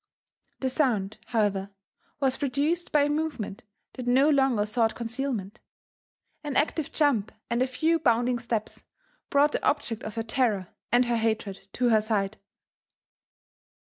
The sound, however, was produced by a movement that no longer sought concealment; an active jump and a few bounding steps brought the object of her terror and her hatred to her side.